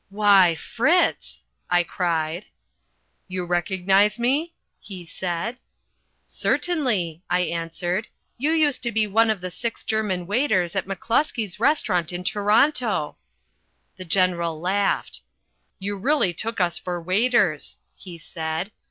"Why, Fritz!" I cried. "You recognize me?" he said. "Certainly," I answered, "you used to be one of the six German waiters at McCluskey's restaurant in Toronto." The General laughed. "You really took us for waiters!" he said.